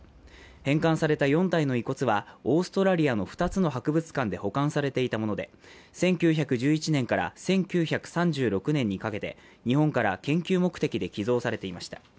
返還された４体の遺骨はオーストラリアの２つの博物館で保管されていたもので１９１１年から１９３６年にかけて日本から研究目的で寄贈されていました。